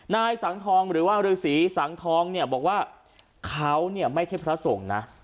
นายสังทองหรือว่ารสีสังทองบอกว่าเขาไม่ใช่พระทรงนะ